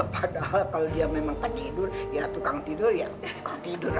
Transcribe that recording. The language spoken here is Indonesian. padahal kalau dia memang kecidur ya tukang tidur ya tukang tidur aja